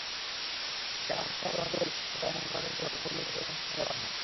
সেখানে অবস্থার অবনতি হলে চিকিৎসকেরা মনোরঞ্জনকে রংপুর মেডিকেল কলেজ হাসপাতালে পাঠান।